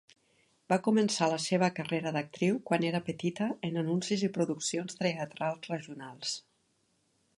Va començar la seva carrera d'actriu quan era petita en anuncis i produccions teatrals regionals.